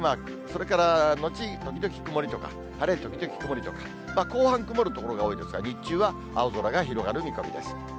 それから後時々曇りとか、晴れ時々曇りとか、後半曇る所が多いですが、日中は青空が広がる見込みです。